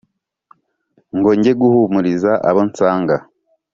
ngo njye guhumuriza abo nsanga